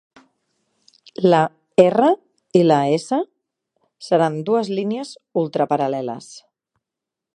La r i la s seran dues línies ultraparal·leles.